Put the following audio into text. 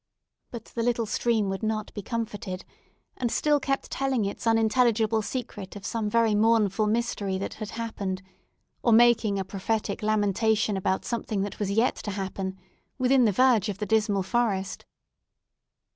But the little stream would not be comforted, and still kept telling its unintelligible secret of some very mournful mystery that had happened—or making a prophetic lamentation about something that was yet to happen—within the verge of the dismal forest.